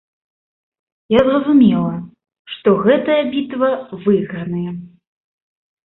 Я зразумела, што гэтая бітва выйграная.